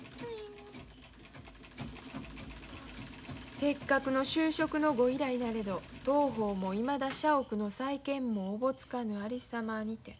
「せっかくの就職のご依頼なれど当方もいまだ社屋の再建もおぼつかぬありさまにて」。